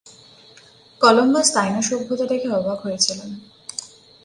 Columbus Taino সভ্যতা দেখে অবাক হয়েছিলেন।